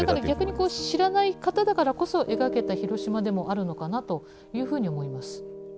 逆に知らない方だからこそ描けた広島でもあるのかなというふうに思います。